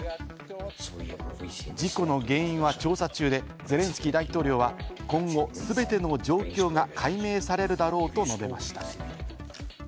事故の原因は調査中で、ゼレンスキー大統領は今後全ての状況が解明されるだろうと述べました。